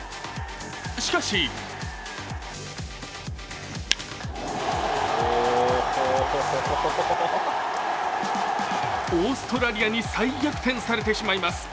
しかしオーストラリアに再逆転されてしまいます。